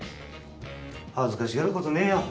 恥ずかしがることねえよ